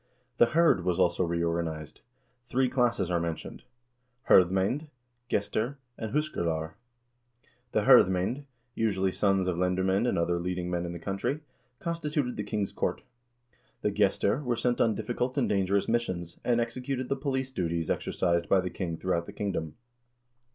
The hird was also reorganized. Three classes are mentioned : hifdmamd, gestir, and huskarlar. The hir'dmcBnd, usually sons of lendermamd and other leading men in the country, constituted the king's court. The gestir were sent on difficult and dangerous mis sions, and executed the police duties exercised by the king through out the kingdom.